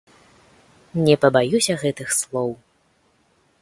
Не пабаюся гэтых слоў.